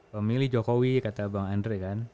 pemilih jokowi kata bang andre kan